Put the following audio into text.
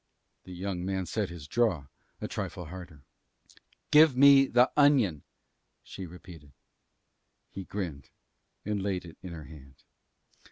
The young man set his jaw a trifle harder. "Give me the onion," she repeated. He grinned, and laid it in her hand.